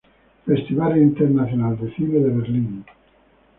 Festival Internacional de Cine de Berlín